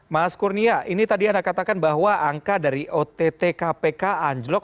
mas kurnia ini tadi anda katakan bahwa angka dari ott kpk anjlok